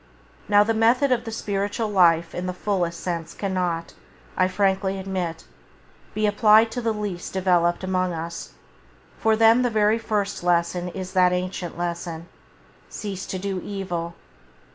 Now the method of the spiritual life in the fullest sense cannot, I frankly admit, be applied to the least developed amongst us; for them the very first lesson [Page 7] is that ancient lesson: "Cease to do evil".